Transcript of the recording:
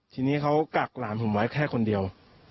ทีนี้เขากักหลานผมไว้แค่คนเดียว